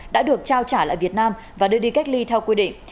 đã được trao trả lại việt nam và đưa đi cách ly theo quy định